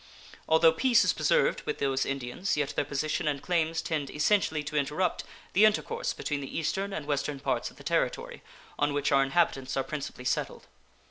Although peace is preserved with those Indians, yet their position and claims tend essentially to interrupt the intercourse between the eastern and western parts of the Territory, on which our inhabitants are principally settled.